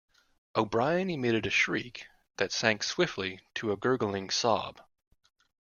O'Brien emitted a shriek that sank swiftly to a gurgling sob.